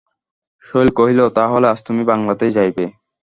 শৈল কহিল, তা হলে আজ তুমি বাংলাতেই যাইবে?